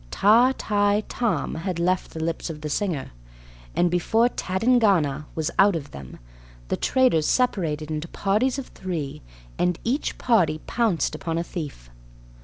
Ta, tai, tom had left the lips of the singer; and, before tadingana was out of them, the traders separated into parties of three, and each party pounced upon a thief.